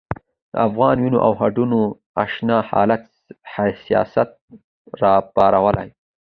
د افغاني وینو او هډونو نا اشنا حالت حساسیت راپارولی.